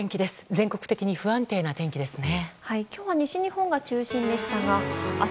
全国的に不安定な天気ですね。